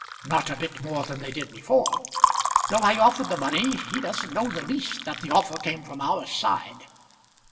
"Not a bit more than they did before. Though I offered the money, he doesn't know the least that the offer came from our side.